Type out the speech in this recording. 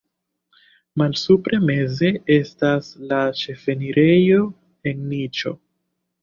Malsupre meze estas la ĉefenirejo en niĉo.